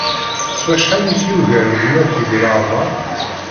S wacḥal i k-yugar gma-k di leεmer?